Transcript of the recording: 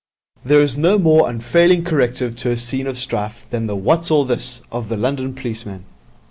There is no more unfailing corrective to a scene of strife than the 'What's all this?' of the London policeman.